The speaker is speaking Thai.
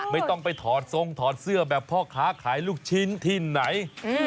ไม่ต้องไปถอดทรงถอดเสื้อแบบพ่อค้าขายลูกชิ้นที่ไหน